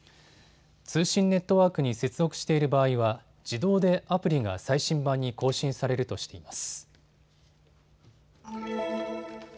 通信ネットワークに接続している場合は自動でアプリが最新版に更新されるとしています。